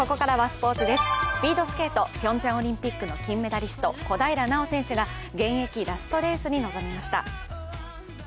スピードスケート、ピョンチャンオリンピックの金メダリスト、小平奈緒選手が現役ラストレースに臨みました。